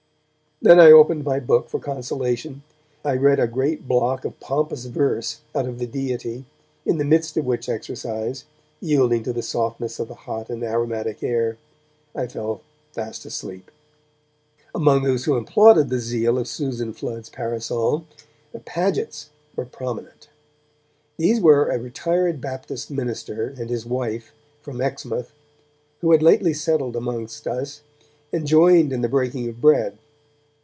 Then I opened my book for consolation, and I read a great block of pompous verse out of 'The Deity', in the midst of which exercise, yielding to the softness of the hot and aromatic air, I fell fast asleep. Among those who applauded the zeal of Susan Flood's parasol, the Pagets were prominent. These were a retired Baptist minister and his wife, from Exmouth, who had lately settled amongst us, and joined in the breaking of bread.